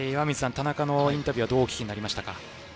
田中のインタビューはどうお聞きになりましたか？